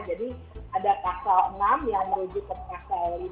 jadi ada pasal enam yang merujuk ke pasal lima